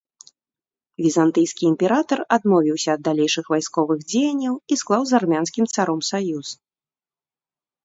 Візантыйскі імператар адмовіўся ад далейшых вайсковых дзеянняў і склаў з армянскім царом саюз.